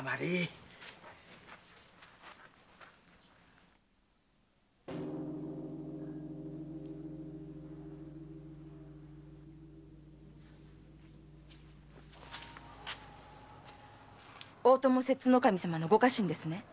大友摂津守様のご家臣ですね？